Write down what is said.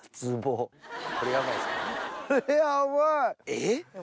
えっ！